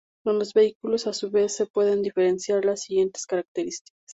En los vehículos, a su vez, se pueden diferenciar las siguientes características.